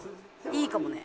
いいかもね。